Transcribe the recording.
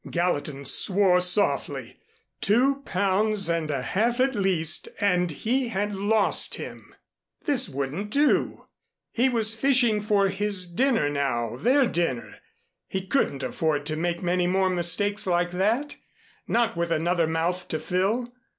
Gallatin swore softly. Two pounds and a half at least! And he had lost him! This wouldn't do. He was fishing for his dinner now their dinner. He couldn't afford to make many more mistakes like that not with another mouth to fill.